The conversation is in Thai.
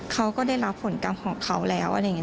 เขาก็ได้รับผลกรรมของเขาแล้วอะไรอย่างนี้